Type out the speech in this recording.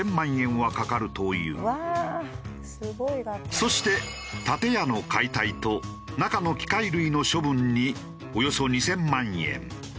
そして建屋の解体と中の機械類の処分におよそ２０００万円。